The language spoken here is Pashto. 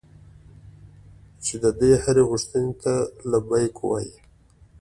چې د دوی هرې غوښتنې ته لبیک ووایي.